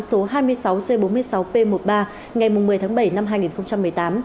số hai mươi sáu c bốn mươi sáu p một mươi ba ngày một mươi tháng bảy năm hai nghìn một mươi tám